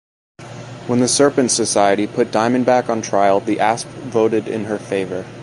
When the Serpent Society put Diamondback on trial, the Asp voted in her favor.